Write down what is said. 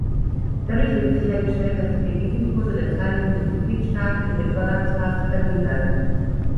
Dadurch wird sichergestellt, dass die Devisenkurse der teilnehmenden Mitgliedstaaten in der Übergangsphase stabil bleiben.